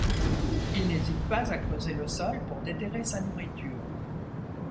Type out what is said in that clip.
Il n'hésite pas à creuser le sol pour déterrer sa nourriture.